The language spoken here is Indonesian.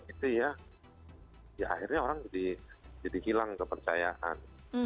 itu ya akhirnya orang jadi hilang kepercayaan